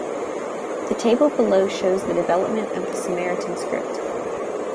The table below shows the development of the Samaritan script.